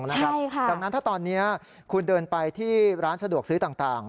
ดังนั้นถ้าตอนนี้คุณเดินไปที่ร้านสะดวกซื้อต่าง